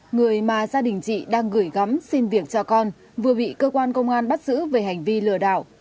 người mà gia đình chị đang gửi gắm xin việc cho con vừa bị cơ quan công an bắt giữ về hành vi lừa đảo